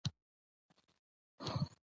موږ باید د کورنۍ د ټولو غړو ستونزې حل کړو